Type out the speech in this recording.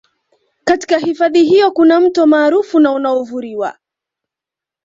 Katika hifadhi hiyo kuna Mto maarufu na unaovuriwa